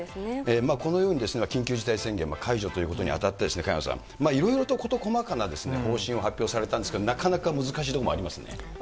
このように緊急事態宣言解除ということにあたって、萱野さん、いろいろと事細かな方針を発表されたんですけれども、なかなか難しいところもありますね。